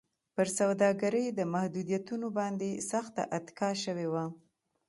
پر سوداګرۍ د محدودیتونو باندې سخته اتکا شوې وه.